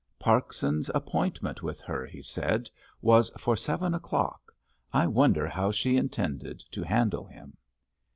"Parkson's appointment with her," he said, "was for seven o'clock. I wonder how she intended to handle him?"